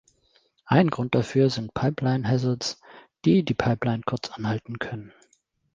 Ein Grund dafür sind Pipeline-Hazards, die die Pipeline kurz anhalten können.